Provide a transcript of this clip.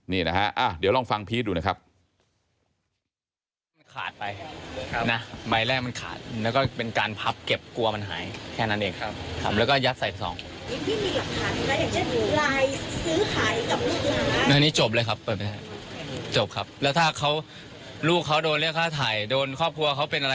นี่นะฮะเดี๋ยวลองฟังพีชดูนะครับ